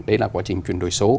đấy là quá trình chuyển đổi số